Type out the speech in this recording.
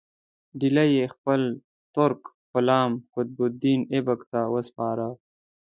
ډهلی یې خپل ترک غلام قطب الدین ایبک ته وسپاره.